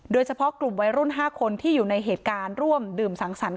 โดยเฉพาะกลุ่มวัยรุ่น๕คนที่อยู่ในเหตุการณ์ร่วมดื่มสังสรรค์